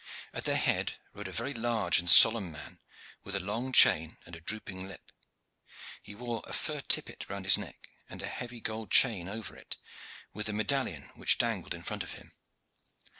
At their head rode a very large and solemn man with a long chin and a drooping lip. He wore a fur tippet round his neck and a heavy gold chain over it, with a medallion which dangled in front of him.